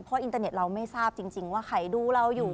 เพราะอินเตอร์เน็ตเราไม่ทราบจริงว่าใครดูเราอยู่